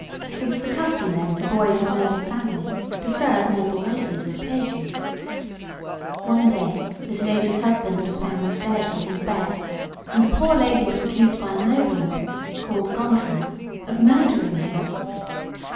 It was the custom then for boys of noble family to serve noble ladies as pages. One morning this lady's husband was found dead in his bed, and the poor lady was accused by a nobleman, named Gontran, of murdering him.